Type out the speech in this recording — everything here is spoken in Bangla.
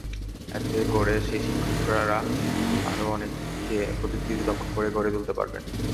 এতে করে সেই শিক্ষকেরা আরও অনেককে প্রযুক্তিতে দক্ষ করে গড়ে তুলতে পারবেন।